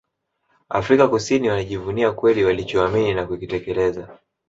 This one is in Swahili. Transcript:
Afrika Kusini Walijivunia kweli walichoamini na kukitekeleza